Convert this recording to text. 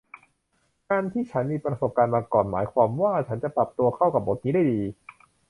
การที่ฉันมีประสบการณ์มาก่อนหมายความว่าฉันจะปรับตัวเข้ากับบทนี้ได้ดี